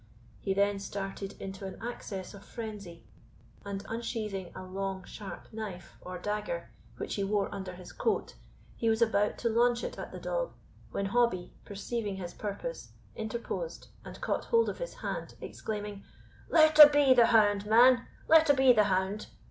He then started into an access of frenzy, and unsheathing a long sharp knife, or dagger, which he wore under his coat, he was about to launch it at the dog, when Hobbie, perceiving his purpose, interposed, and caught hold of his hand, exclaiming, "Let a be the hound, man let a be the hound!